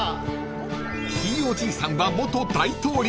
［ひいおじいさんは元大統領］